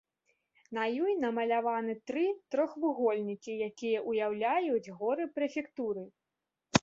На ёй намаляваны тры трохвугольнікі, якія ўяўляюць горы прэфектуры.